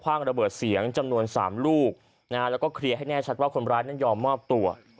แล้วก็เคลียร์ให้แน่ชัดว่าคนร้ายนั้นยอมมอบตัว